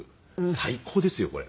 最高ですよこれ。